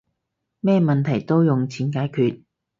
咩問題都用錢解決